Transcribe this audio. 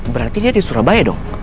berarti dia di surabaya dong